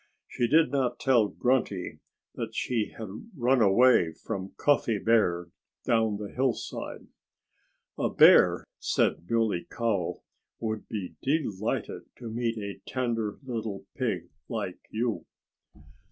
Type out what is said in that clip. She did not tell Grunty that she had run away from Cuffy Bear, down the hillside. "A bear," said the Muley Cow, "would be delighted to meet a tender little pig like you."